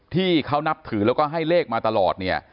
ที่เขานับถือแล้วก็ให้เลขมาตลอดเนี่ย